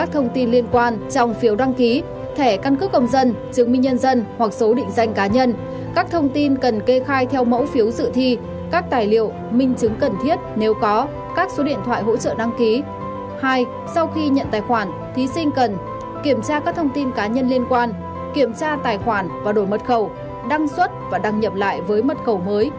thông tin cá nhân liên quan kiểm tra tài khoản và đổi mật khẩu đăng xuất và đăng nhập lại với mật khẩu mới